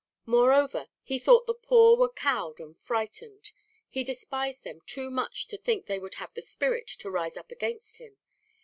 Moreover, he thought the poor were cowed and frightened. He despised them too much to think they would have the spirit to rise up against him.